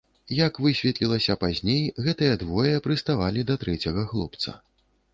Як высветлілася пазней, гэтыя двое прыставалі да трэцяга хлопца.